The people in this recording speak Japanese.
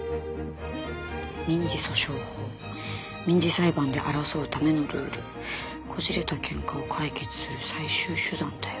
「民事訴訟法民事裁判で争うためのルール」「こじれたケンカを解決する最終手段だよ！」